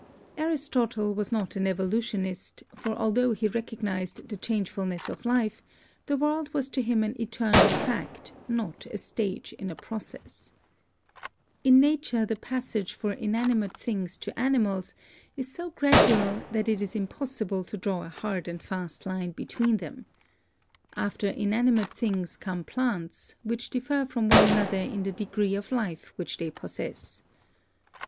Aristotle was not an evolutionist, for altho he recog nised the changefulness of life, the world was to him an eternal fact, not a stage in a process. "In nature the passage for inanimate things to 294 BIOLOGY animals is so gradual that it is impossible to draw a hard and fast line between them. After inanimate things come plants, which differ from one another in the degree of life which they possess.